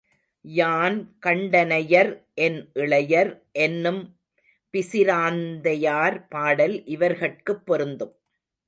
யான் கண்டனை யர் என் இளையர் என்னும் பிசிராந்தையார் பாடல் இவர்கட்குப் பொருந்தும்.